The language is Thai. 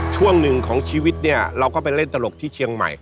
ช่วงหนึ่งของชีวิตเนี่ยเราก็ไปเล่นตลกที่เชียงใหม่